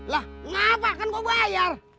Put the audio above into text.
lah kenapa kan gue bayar